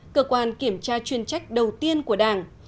cơ quan kiểm tra chuyên trách đầu tiên của đảng